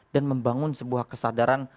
dan membangun sebuah kesadaran